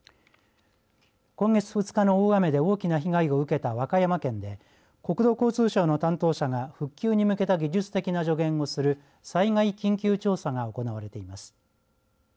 今月２日の大雨で大きな被害を受けた和歌山県で国土交通省の担当者が復旧に向けた技術的な助言をする災害緊急調査が行われています。